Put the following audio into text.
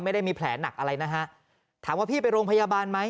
ไม่ได้มีแผลหนักอะไรนะฮะถามว่าพี่ไปโรงพยาบาลไหม